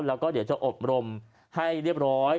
แล้วก็เดี๋ยวจะอบรมให้เรียบร้อย